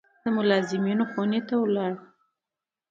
د ملازمینو خونې ته لاړو.